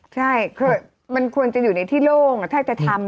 ใช่คือมันควรจะอยู่ในที่โล่งถ้าจะทำ